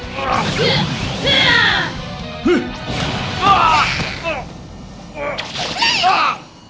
kami akan menang